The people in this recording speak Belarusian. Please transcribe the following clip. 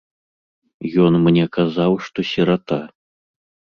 Ён мне казаў, што сірата.